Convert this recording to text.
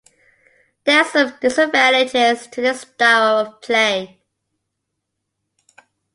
There are some disadvantages to this style of play.